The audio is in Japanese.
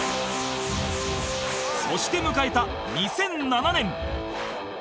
そして迎えた２００７年